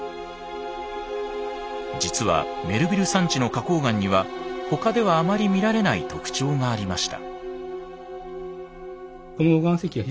実はメルヴィル山地の花崗岩には他ではあまり見られない特徴がありました。